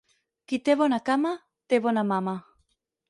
Qui té bona cama, té bona mama.